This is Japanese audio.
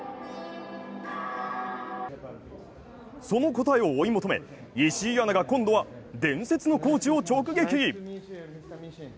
その答えを追い求め、石井アナが今度は伝説のコーチを直撃！